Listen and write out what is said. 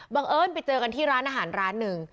เอิญไปเจอกันที่ร้านอาหารร้านหนึ่ง